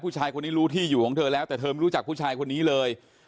ผู้ชายคนนี้รู้ที่อยู่ของเธอแล้วแต่เธอไม่รู้จักผู้ชายคนนี้เลย